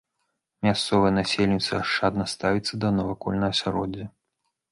Мясцовае насельніцтва ашчадна ставіцца да навакольнага асяроддзя.